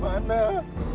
ratu lu ada dimana